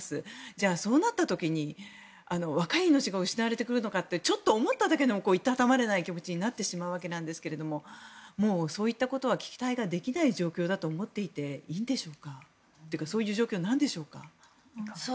じゃあ、そうなった時に若い命が失われるのかとちょっと思っただけでもいたたまれない気持ちになってしまうわけなんですけれどもそういったことは期待できない状況だと思っていていいんでしょうか。というかそういう状況なんでしょうか。